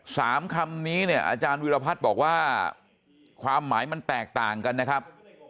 คำนี้เนี่ยอาจารย์วิรพัฒน์บอกว่าความหมายมันแตกต่างกันนะครับ